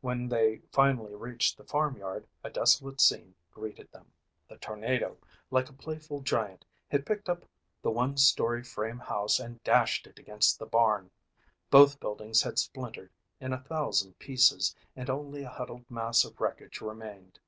When they finally reached the farmyard a desolate scene greeted them. The tornado, like a playful giant, had picked up the one story frame house and dashed it against the barn. Both buildings had splintered in a thousand pieces and only a huddled mass of wreckage remained.